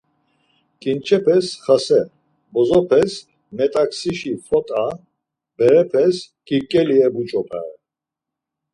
Ǩinçepes xase, bozopes metaǩsişi fot̆a, berepes ǩerǩeli ebuç̌opare.